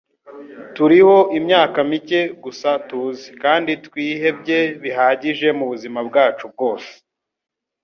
Turiho imyaka mike gusa tuzi, kandi twihebye bihagije mubuzima bwacu bwose.”